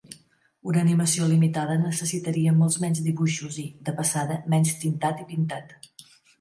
Una animació limitada necessitaria molts menys dibuixos i, de passada, menys tintat i pintat.